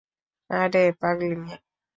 আরে পাগলী মেয়ে।